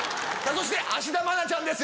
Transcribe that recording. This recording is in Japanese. そして芦田愛菜ちゃんです